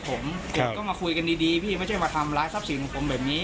ครับก็มาคุยกันดีดีพี่ไม่ใช่มาทำร้ายซับสิงห์ของผมแบบนี้